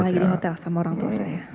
lagi di hotel sama orang tua saya